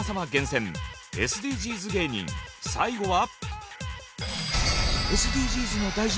最後は。